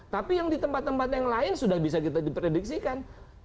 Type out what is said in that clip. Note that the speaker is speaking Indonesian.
tapi yang di tempat tempat yang lain sudah bisa kita diprediksikan